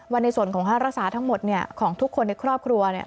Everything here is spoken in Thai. ในส่วนของค่ารักษาทั้งหมดเนี่ยของทุกคนในครอบครัวเนี่ย